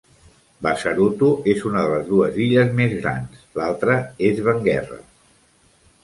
Bazaruto és una de les dues illes més grans, l'altra és Benguerra.